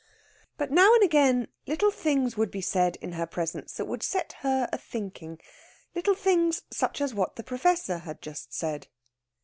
But now and again little things would be said in her presence that would set her a thinking little things such as what the Professor has just said.